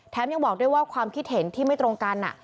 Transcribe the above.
ยังบอกด้วยว่าความคิดเห็นที่ไม่ตรงกัน